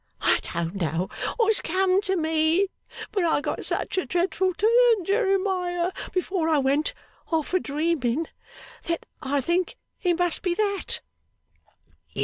I don't know what's come to me. But I got such a dreadful turn, Jeremiah, before I went off a dreaming, that I think it must be that.